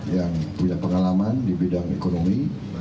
yang punya pengalaman di bidang ekonomi